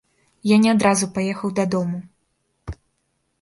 Я не адразу паехаў дадому.